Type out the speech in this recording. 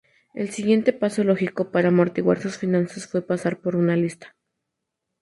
El siguiente paso lógico para amortiguar sus finanzas fue pasar por una lista.